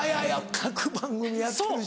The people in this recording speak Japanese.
各番組やってるしな。